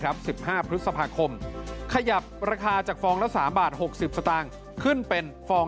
๑๕พฤษภาคมขยับราคาจากฟองละ๓บาท๖๐สตางค์ขึ้นเป็นฟอง